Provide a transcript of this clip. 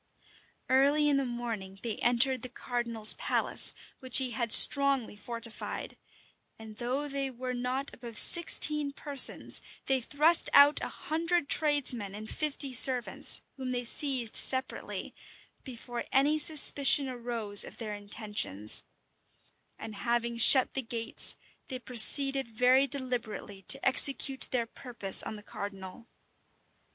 Early in the morning, they entered the cardinal's palace, which he had strongly fortified, and though they were not above sixteen persons, they thrust out a hundred tradesmen and fifty servants, whom they seized separately, before any suspicion arose of their intentions; and having shut the gates, they proceeded very deliberately to execute their purpose on the cardinal.